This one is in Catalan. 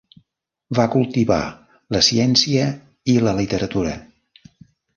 Va cultivar la ciència i la literatura.